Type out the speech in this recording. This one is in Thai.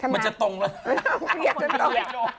มันจะตรงแล้ว